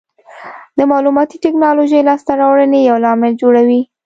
د معلوماتي ټکنالوژۍ لاسته راوړنې یو لامل جوړوي.